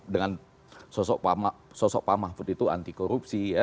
dengan sosok pak mahfud itu anti korupsi ya